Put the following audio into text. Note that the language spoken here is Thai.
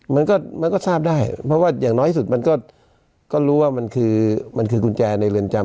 มันก็มันก็ทราบได้เพราะว่าอย่างน้อยสุดมันก็รู้ว่ามันคือมันคือกุญแจในเรือนจำ